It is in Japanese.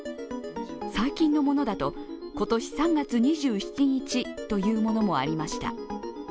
最近のものだと、今年３月２７日というものもありました。